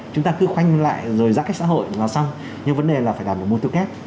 chúng ta cứ khoanh lại rồi giãn cách xã hội là xong nhưng vấn đề là phải làm được môi tư kết